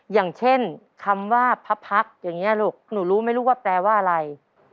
อย่างเช่นคำว่าพระพักษ์อย่างนี้ลูกหนูรู้ไม่รู้ว่าแปลว่าอะไร